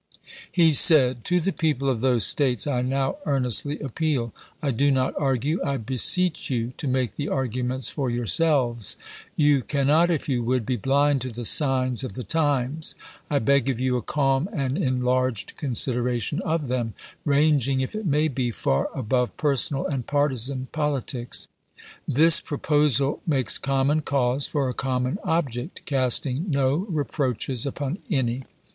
He said : "To the people of those States I now earnestly appeal. I do not argue ; I beseech you to make the arguments for yourselves. You can not, if you would, be blind to the signs of the times. I beg of you a calm and enlarged consider ation of them, ranging, if it may be, far above personal and partisan politics. This proposal makes common cause for a common object, casting no re proaches upon any.